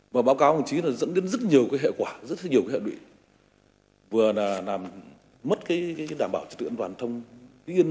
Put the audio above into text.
và báo cáo hồng chí là dẫn đến rất nhiều cái hệ quả rất nhiều cái hệ nguyện vừa là mất cái đảm bảo trật tự an toàn giao thông